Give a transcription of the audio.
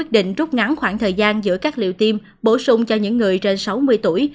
định rút ngắn khoảng thời gian giữa các liệu tiêm bổ sung cho những người trên sáu mươi tuổi